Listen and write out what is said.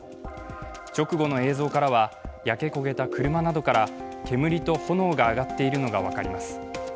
直後の映像からは、焼け焦げた車などから煙と炎が上がっているのが分かります。